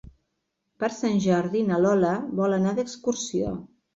Per Sant Jordi na Lola vol anar d'excursió.